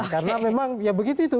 karena memang ya begitu itu